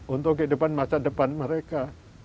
untuk kehidupan masa depan mereka